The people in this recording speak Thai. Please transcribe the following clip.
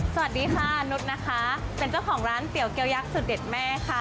สวัสดีค่ะนุษย์นะคะเป็นเจ้าของร้านเตี๋ยเกี๊ยักษ์สุดเด็ดแม่ค่ะ